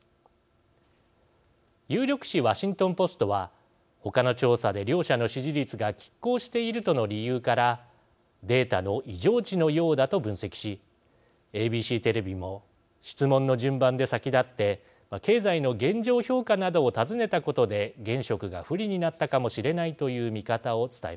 有力紙ワシントンポストはほかの調査で両者の支持率がきっ抗しているとの理由からデータの異常値のようだと分析しＡＢＣテレビも質問の順番で先立って経済の現状評価などを尋ねたことで現職が不利になったかもしれないという見方を伝えました。